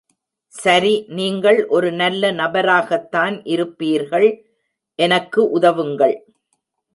சரி நீங்கள் ஒரு நல்ல நபராகத்தான் இருப்பீர்கள், எனக்கு உதவுங்கள்.